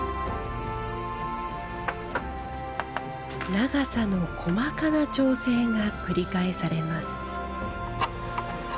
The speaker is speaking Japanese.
長さの細かな調整が繰り返されます。